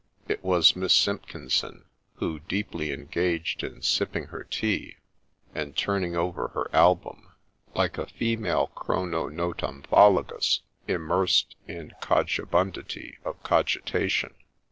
It was Miss Simpkin son, who, deeply engaged in sipping her tea and turning over her album, seemed, like a female Chrononotonthologos, ' im mersed in cogibundity of cogitation.'